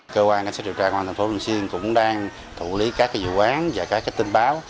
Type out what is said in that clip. cơ quan sở truyền trà công an thành phố hồ chí minh cũng đang thụ lý các dự án và các tin báo